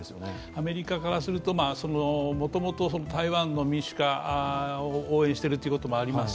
アメリカからするともともと台湾の民主化を応援しているということもあります